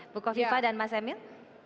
bukofifa dan mas emil